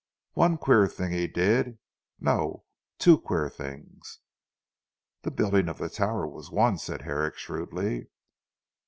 One queer thing he did no! Two queer things." "The building of the tower was one," said Herrick shrewdly.